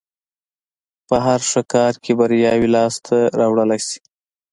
په هر ښه کار کې برياوې لاس ته راوړلای شي.